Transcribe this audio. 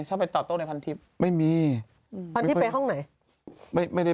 ชอบไปต่อโต๊ะในพันทิศไม่มีไม่ค่อยเป็นในะ